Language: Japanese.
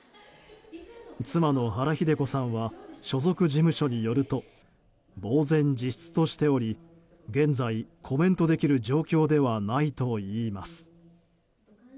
妻の原日出子さんは所属事務所によるとぼうぜん自失としており現在、コメントできる状況ではないといいます。